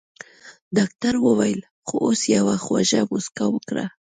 ډاکټر وويل خو اوس يوه خوږه مسکا وکړه.